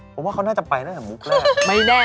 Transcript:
ผมว่าเขาน่าจะไปตั้งแต่มุกแรก